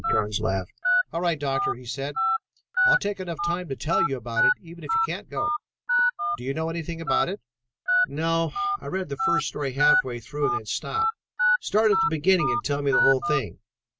Carnes laughed. "All right, Doctor," he said, "I'll take enough time to tell you about it even if you can't go. Do you know anything about it?" "No. I read the first story half way through and then stopped. Start at the beginning and tell me the whole thing."